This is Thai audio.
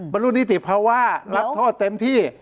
บรรลุนิติภาวะรับโทษเต็มที่